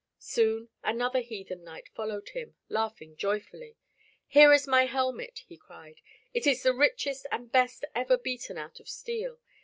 Soon another heathen knight followed him, laughing joyfully. "Here is my helmet," he cried. "It is the richest and best ever beaten out of steel.